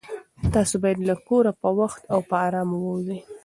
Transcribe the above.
تاسو باید له کوره په وخت او په ارامه ووځئ.